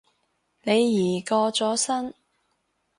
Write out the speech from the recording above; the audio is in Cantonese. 李怡過咗身